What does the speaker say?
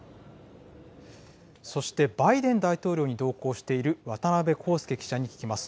そして、バイデン大統領に同行している渡辺公介記者に聞きます。